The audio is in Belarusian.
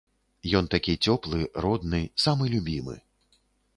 Ён такі цёплы, родны, самы любімы.